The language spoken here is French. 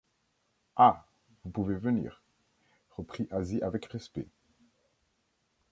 Ah ! vous pouvez venir ! reprit Asie avec respect.